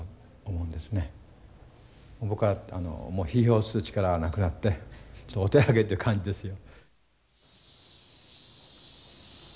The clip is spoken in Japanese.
僕はもう批評する力はなくなってお手上げっていう感じですよ。